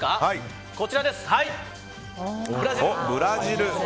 こちらです、ブラジル。